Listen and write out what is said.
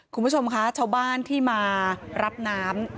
คุณผู้ชมคะชาวบ้านที่มารับน้ำ